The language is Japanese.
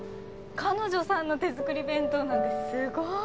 彼女さんの手作り弁当なんてすごーい！